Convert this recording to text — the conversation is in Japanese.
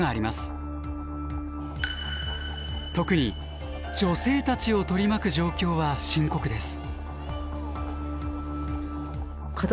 特に女性たちを取り巻く状況は深刻です。